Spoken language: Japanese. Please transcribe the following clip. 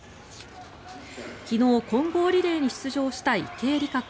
昨日、混合リレーに出場した池江璃花子。